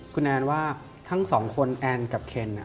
คุณแอนว่าทั้งสองคนแอนกับเคน